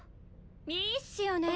・いいっすよね・